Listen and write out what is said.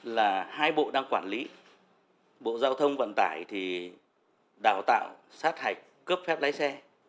là hai bộ đang quản lý bộ giao thông vận tải thì đào tạo sát hạch cấp phép lái xe